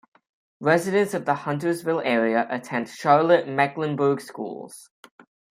Residents of the Huntersville area attend Charlotte-Mecklenburg Schools.